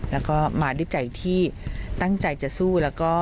แล้วก็มาด้วยใจที่ตั้งใจจะสู้แล้วก็